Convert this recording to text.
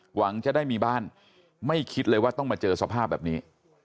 หวังจะได้มีบ้านไม่คิดเลยว่าต้องมาเจอสภาพแบบนี้